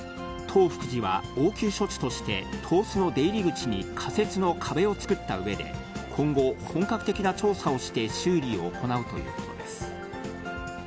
東福寺は、応急処置として東司の出入り口に仮設の壁を作ったうえで、今後、本格的な調査をして修理を行うということです。